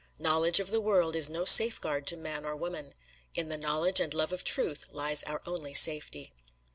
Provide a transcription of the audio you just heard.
Knowledge of the world is no safeguard to man or woman. In the knowledge and love of truth, lies our only safety.